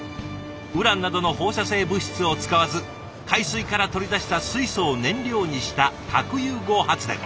ウランなどの放射性物質を使わず海水から取り出した水素を燃料にした核融合発電。